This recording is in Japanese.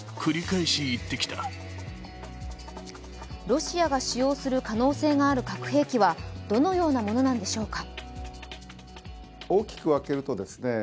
ロシアが使用する可能性がある核兵器はどのようなものなのでしょうか。